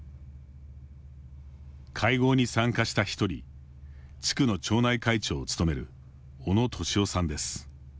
会合に参加した一人地区の町内会長を務める小野敏夫さんです。